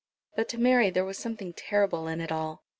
But to Mary there was something terrible in it all.